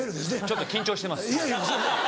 ちょっと緊張してます。